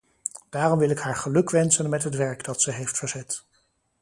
Daarom wil ik haar gelukwensen met het werk dat zij heeft verzet.